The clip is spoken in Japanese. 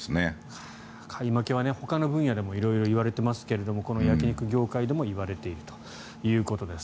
買い負けはほかの分野でも色々いわれていますが焼き肉業界でもいわれているということです。